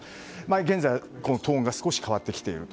現在、トーンが少し変わってきていると。